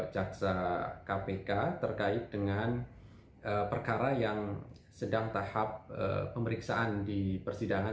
jaksa kpk terkait dengan perkara yang sedang tahap pemeriksaan di persidangan